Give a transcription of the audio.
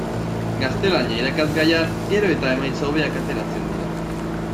Gaztelania irakasgaian gero eta emaitza hobeak ateratzen dira.